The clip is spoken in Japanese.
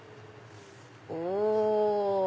お！